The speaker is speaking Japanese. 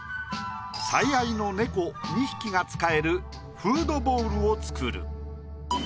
最愛の猫２匹が使えるフードボウルを作る。